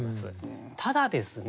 ただですね